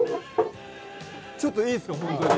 ちょっといいっすかホントに。